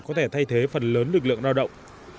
có thể thay thế phần lớn lực lượng lao động